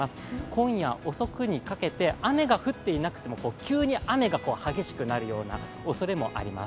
今夜遅くにかけて雨が降っていなくても急に雨が激しくなるような恐れもあります。